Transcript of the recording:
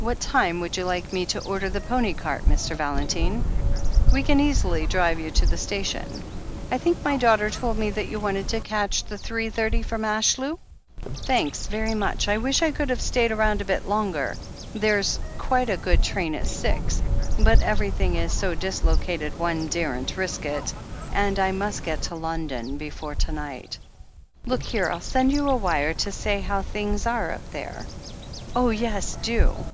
"What time would you like me to order the pony cart, Mr. Valentine? We can easily drive you to the station. I think my daughter told me that you wanted to catch the three thirty from Ashlew?" 384 THE HEEL OF ACHILLES "Thanks very much. I wish I cotild have stayed around a bit longer — ^there's quite a good train at six — but everything is so dislocated one daren't risk it, and I must get to London before to night. Look here, I'll send you a wire to say how things are up there." "Oh, yes, do!